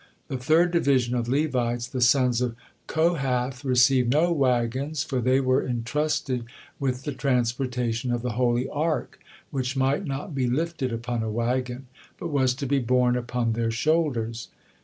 The third division of Levites, the sons of Kohath, received no wagons, for they were entrusted with the transportation of the Holy Ark, which might not be lifted upon a wagon, but was to be borne upon their shoulders.